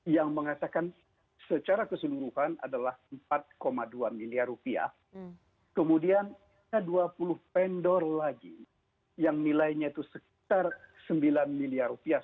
yang mengatakan secara keseluruhan adalah empat dua miliar rupiah